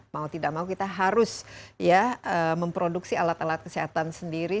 mau tidak mau kita harus memproduksi alat alat kesehatan sendiri